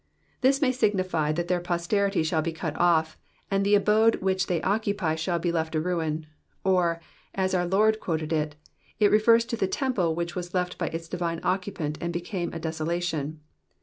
'''* This may signify that their posterity shall be cut off, and the abode which they occupy shall be left a ruin ; or, as our Lord quoted it. it refers to the temple, which was left by its divine occupant and became a desolation.